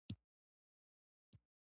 هم دې ټکي ته اشاره نه ده کړې.